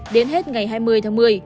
đến hết ngày hai mươi tháng một mươi